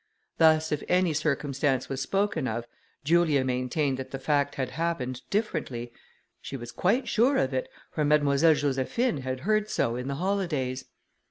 Thus, if any circumstance was spoken of, Julia maintained that the fact had happened differently; she was quite sure of it, for Mademoiselle Josephine had heard so in the holidays.